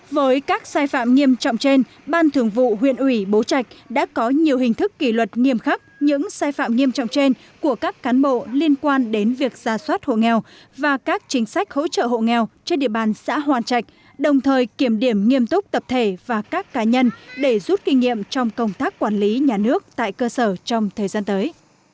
với các sai phạm nghiêm trọng trên ban thường vụ huyện ủy bố trạch đã có nhiều hình thức kỷ luật nghiêm khắc những sai phạm nghiêm trọng trên của các cán bộ liên quan đến việc ra soát hộ nghèo và các chính sách hỗ trợ hộ nghèo trên địa bàn xã hoàn trạch đồng thời kiểm điểm nghiêm túc tập thể và các cá nhân để rút kinh nghiệm trong công tác quản lý nhà nước tại cơ sở trong thời gian tới